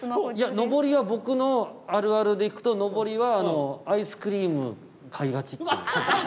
上りは僕のあるあるでいくと上りはアイスクリーム買いがちっていうの。